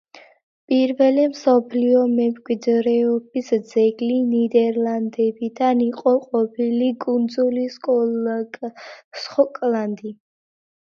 პირველი მსოფლიო მემკვიდრეობის ძეგლი ნიდერლანდებიდან იყო ყოფილი კუნძული სხოკლანდი.